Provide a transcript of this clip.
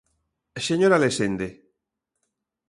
Señora Lesende.